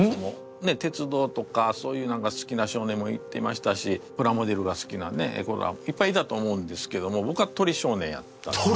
鉄道とかそういうのが好きな少年もいましたしプラモデルが好きな子らもいっぱいいたと思うんですけどもぼくは鳥少年やったんですね。